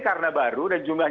karena baru dan jumlahnya